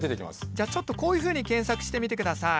じゃあちょっとこういうふうに検索してみてください。